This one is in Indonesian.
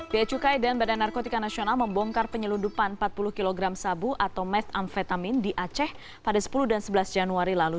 beacukai dan badan narkotika nasional membongkar penyelundupan empat puluh kg sabu atau metamfetamin di aceh pada sepuluh dan sebelas januari lalu